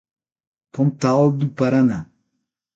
Pontal do Paraná